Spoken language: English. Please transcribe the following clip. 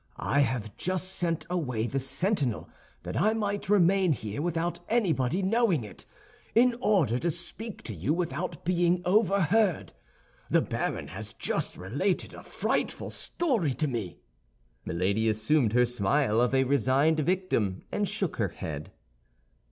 "I have just sent away the sentinel that I might remain here without anybody knowing it, in order to speak to you without being overheard. The baron has just related a frightful story to me." Milady assumed her smile of a resigned victim, and shook her head.